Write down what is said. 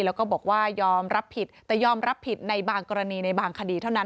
แล้วก็บอกว่ายอมรับผิดแต่ยอมรับผิดในบางกรณีในบางคดีเท่านั้น